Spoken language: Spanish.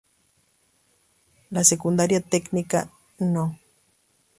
La secundaria Tecnica No.